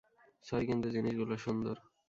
Sorry, কিন্তু জিনিসগুলো সুন্দর।